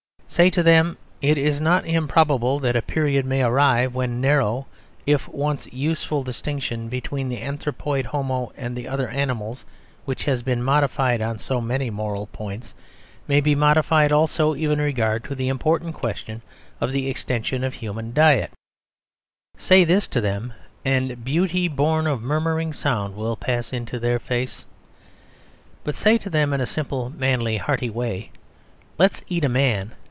Say to them "It is not improbable that a period may arrive when the narrow if once useful distinction between the anthropoid homo and the other animals, which has been modified on so many moral points, may be modified also even in regard to the important question of the extension of human diet"; say this to them, and beauty born of murmuring sound will pass into their face. But say to them, in a simple, manly, hearty way "Let's eat a man!"